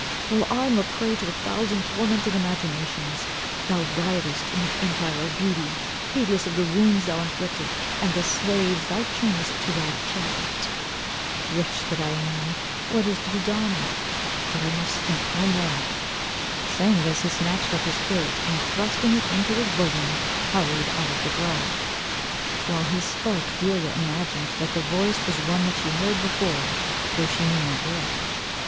While I am a prey to a thousand tormenting imaginations, thou riotest in the empire of beauty, heedless of the wounds thou inflicted, and the slaves thou chainest to thy chariot. Wretch that I am, what is to be done? But I must think no more." Saying this he snatched up his flute, and thrusting it into his bosom, hurried out of the grove. While he spoke, Delia imagined that the voice was one that she had heard before though she knew not where.